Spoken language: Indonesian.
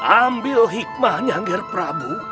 ambil hikmahnya ger prabu